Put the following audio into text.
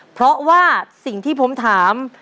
เพราะว่าสิ่งที่ผมถาม